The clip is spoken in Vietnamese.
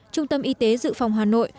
trung tâm y tế dự phòng hà nội